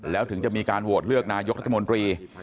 แล้วถึงจะมีการโหวตเลือกนายกรัฐมนตรี